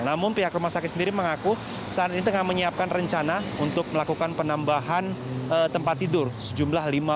namun pihak rumah sakit sendiri mengaku saat ini tengah menyiapkan rencana untuk melakukan penambahan tempat tidur sejumlah lima